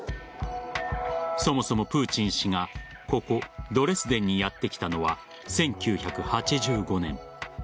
そもそもプーチン氏がここ、ドレスデンにやって来たのは１９８５年。